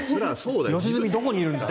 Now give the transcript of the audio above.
良純、どこにいるんだと。